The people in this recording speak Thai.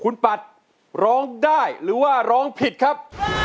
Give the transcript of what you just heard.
คุณปัดร้องได้หรือว่าร้องผิดครับ